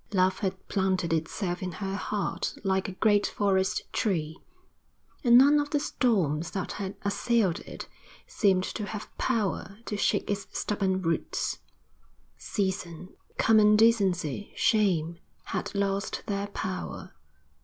Love had planted itself in her heart like a great forest tree, and none of the storms that had assailed it seemed to have power to shake its stubborn roots. Season, common decency, shame, had lost their power.